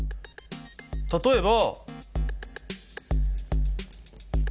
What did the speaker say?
例えば。